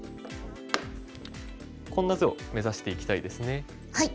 こんな図を目指していきたいですね。